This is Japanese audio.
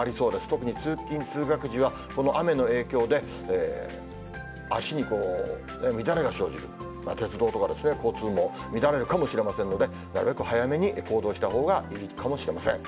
特に通勤・通学時は、この雨の影響で、足に乱れが生じる、鉄道とかですね、交通網、乱れるかもしれませんので、なるべく早めに行動したほうがいいかもしれません。